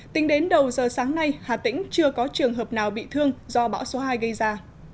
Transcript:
tính đến đầu giờ sáng nay hà tĩnh chưa có trường hợp nào bị thương do bão số hai gây ra